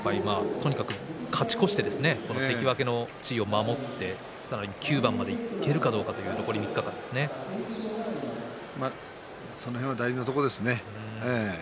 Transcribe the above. とにかく勝ち越して関脇の地位を守って、さらに９番までその辺は大事なところですね。